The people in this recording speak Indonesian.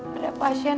ada pasien kausan nih